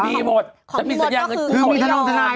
มีหมดถ้ามีสัญญาเงินกู้มีเรื่อง